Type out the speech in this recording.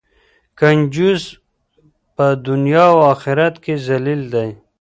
کنجوس په دنیا او آخرت کې ذلیل دی.